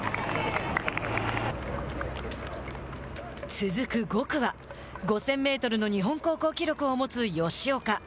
続く５区は５０００メートルの日本高校記録を持つ吉岡。